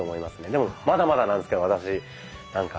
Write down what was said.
でもまだまだなんですけど私なんか。